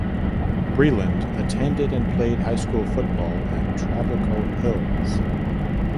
Breeland attended and played high school football at Trabuco Hills.